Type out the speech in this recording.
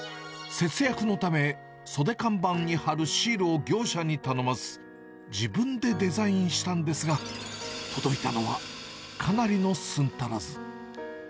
節約のため、袖看板に貼るシールを業者に頼まず、自分でデザインしたんですが、届いたのはかなりの寸足らず。